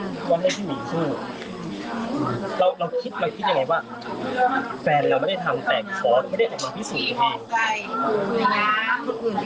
เราเราคิดไหมคิดยังไงว่า